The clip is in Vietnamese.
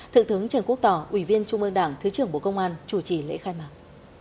thượng thướng trần quốc tỏ ủy viên trung ương đảng thứ trưởng bộ công an chủ trì lễ khai mạc